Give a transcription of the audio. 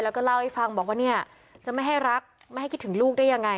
แล้วก็เล่าให้ฟังบอกว่าเนี่ยจะไม่ให้รักไม่ให้คิดถึงลูกได้ยังไง